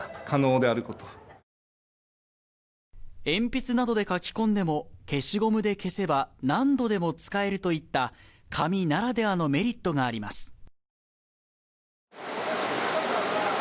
鉛筆などで書き込んでも消しゴムで消せば何度でも使えるといった紙ならではのメリットがあります。